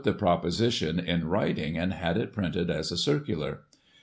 [1845 the proposition in writing, and had it printed as a circular.